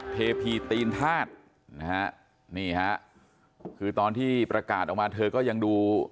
ประกวดเทพีตีนทาสนี่ฮะคือตอนที่ประกาศออกมาเธอก็ยังดู